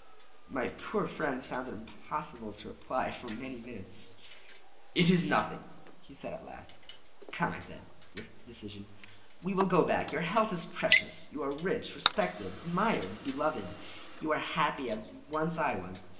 My poor friend found it impossible to reply for many minutes. "It is nothing," he said, at last. "Come," I said, with decision, "we will go back; your health is precious. You are rich, respected, admired, beloved; you are happy, as once I was.